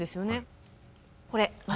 これ。